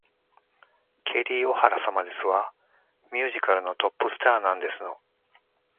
ケリー・オハラ様ですわ。ミュージカルのトップスターなんですの